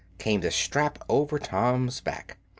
came the strap over Tom's back.